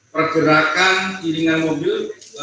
pergerakan tiringan mobil